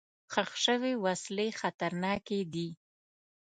ښخ شوي وسلې خطرناکې دي.